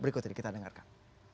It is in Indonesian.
berikut ini kita dengarkan